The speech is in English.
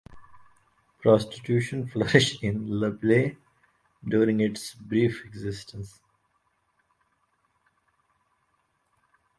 Prostitution flourished in La Belle during its brief existence.